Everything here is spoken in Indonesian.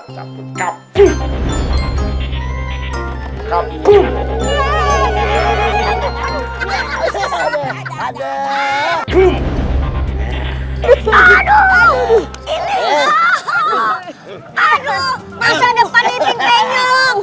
ngapain cik ikut ikutan aja